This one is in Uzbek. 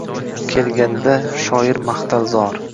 Kelganida shoir-mahtal, zor